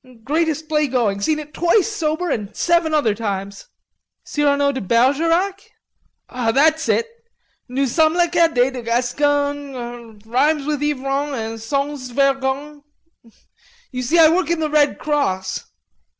Greatest play going.... Seen it twice sober and seven other times." "Cyrano de Bergerac?" "That's it. Nous sommes les Cadets de Gasgogne, rhymes with ivrogne and sans vergogne.... You see I work in the Red Cross....